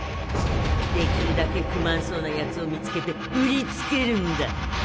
できるだけ不満そうなやつを見つけて売りつけるんだ。